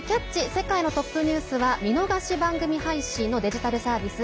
世界のトップニュース」は見逃し番組配信のデジタルサービス